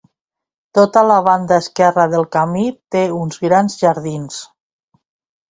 Tota la banda esquerra del camí té uns grans jardins.